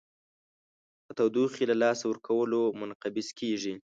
په تودوخې له لاسه ورکولو منقبض کیږي.